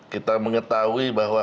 kita mengetahui bahwa